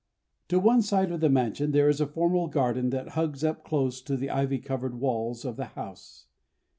To one side of the mansion there is a formal garden that hugs up close to the ivy covered walls of the house.